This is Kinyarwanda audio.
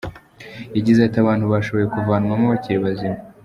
Yagize ati “Abantu bashoboye kuvanwamo bakiri bazima.